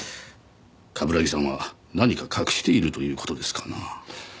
冠城さんは何か隠しているという事ですかな？